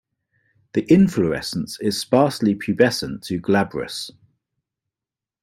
The inflorescence is sparsely pubescent to glabrous.